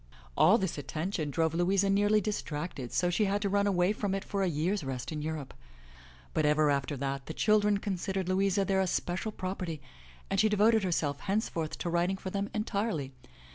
All this attention drove Louisa nearly distracted, so she had to run away from it for a year's rest in Europe. But ever after that the children considered Louisa their especial property and she devoted herself henceforth to writing for them entirely.